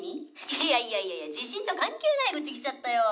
「いやいやいやいや地震と関係ない愚痴来ちゃったよ」